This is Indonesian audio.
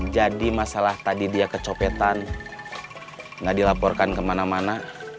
jadi masalah tadi dia kecopetan gak dilaporkan kemana mana